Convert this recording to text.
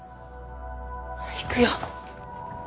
行くよ！